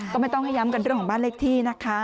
ก็ไม่ต้องให้ย้ำกันเรื่องของบ้านเลขที่นะคะ